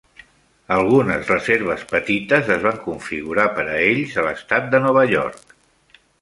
Algunes reserves petites es van configurar per a ells a l'estat de Nova York.